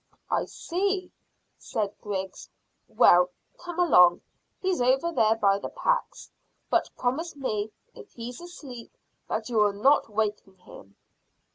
"I see," said Griggs. "Well, come along; he's over there by the packs; but promise me if he's asleep that you will not waken him."